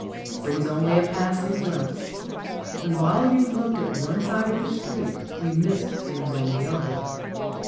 It was only a passing glimpse, and while you looked at one side of the street you missed things on the other.